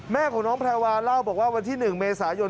แม่ของน้องแพรวาเล่าบอกว่าวันที่๑เมษายน